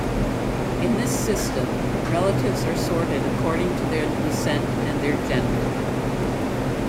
In this system, relatives are sorted according to their descent and their gender.